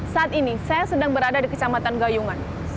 saat ini saya sedang berada di kecamatan gayungan